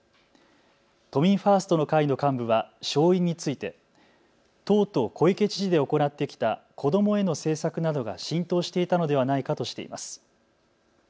都民ファーストの会の幹部は勝因について党と小池知事で行ってきた子どもへの政策などが浸透していたのではないかとしています。